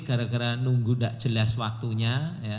gara gara nunggu tidak jelas waktunya